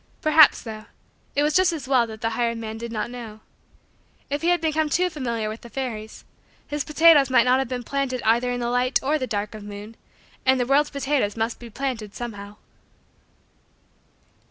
Perhaps, though, it was just as well that the hired man did not know. If he had become too familiar with the fairies, his potatoes might not have been planted either in the light or the dark of the moon and the world's potatoes must be planted somehow.